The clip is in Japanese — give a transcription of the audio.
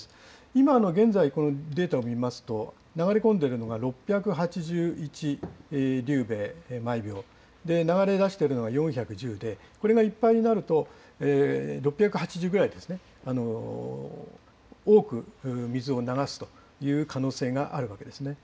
今現在、データを見ますと、流れ込んでいるのが、６８１立米毎秒流れ出しているのが４１０で、これがいっぱいになると、６８０ぐらいですね、多く水を流すという可能性があるわけですね。